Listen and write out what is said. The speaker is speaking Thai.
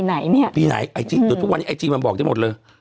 ไอจีไหนเนี่ยอยู่ทุกวันนี้ไอจีมันบอกได้หมดเลย